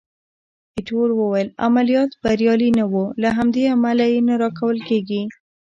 ایټور وویل: عملیات بریالي نه وو، له همدې امله یې نه راکول کېږي.